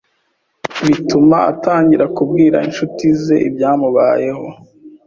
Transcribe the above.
bituma atangira kubwira inshuti ze ibyamubayeho